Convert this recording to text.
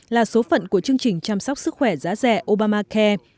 là số phận của chương trình chăm sóc sức khỏe giá rẻ obamacare